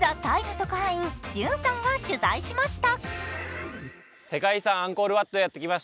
特派員、Ｊｕｎさんが取材しました。